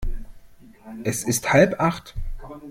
Es ist halb acht.